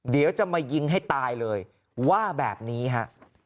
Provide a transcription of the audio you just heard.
เดี๋ยวจะมายิงให้ตายเลยว่าแบบนี้ฮะ